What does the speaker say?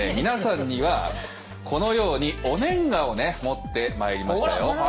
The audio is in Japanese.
皆さんにはこのようにお年賀をね持ってまいりましたよ。